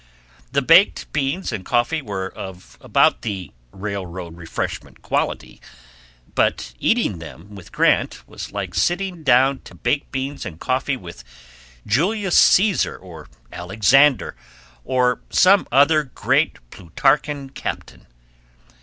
The baked beans and coffee were of about the railroad refreshment quality; but eating them with Grant was like sitting down to baked beans and coffee with Julius Caesar, or Alexander, or some other great Plutarchan captain.